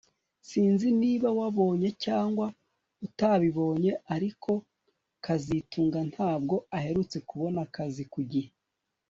Sinzi niba wabonye cyangwa utabibonye ariko kazitunga ntabwo aherutse kubona akazi ku gihe